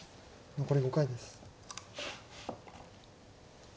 残り５回です。